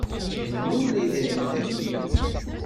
Yennul idrimen-nni.